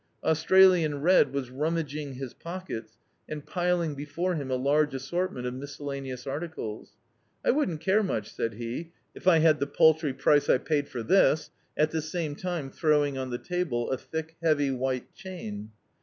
Australian Red was rummaging his pockets and piling before him a large assortment of miscel laneous articles. "I wouldn't care much," said he, "if I had the paltry price I paid for this," at the same time throwing on the table a thick, heavy, white chain.